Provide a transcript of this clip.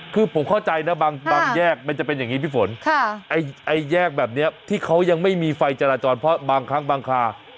คือผมเข้าใจนะบางแยกมันจะเป็นอย่างนี้พี่ฝนไอ้แยกแบบนี้ที่เขายังไม่มีไฟจราจรเพราะบางครั้งบางคา